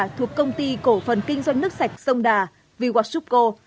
thuộc công ty cổ phần kinh doanh nước sạch sông đà viuacuco